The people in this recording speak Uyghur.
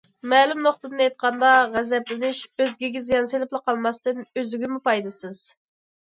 مەلۇم نۇقتىدىن ئېيتقاندا، غەزەپلىنىش ئۆزگىگە زىيان سېلىپلا قالماستىن، ئۆزىگىمۇ پايدىسىز.